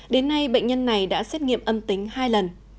đến nay bệnh nhân này đã xét nghiệm âm tính hai lần